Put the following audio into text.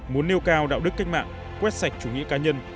muốn nêu cao đạo đức cách mạng quét sạch chủ nghĩa cá nhân